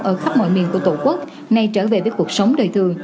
ở khắp mọi miền của tổ quốc nay trở về với cuộc sống đời thường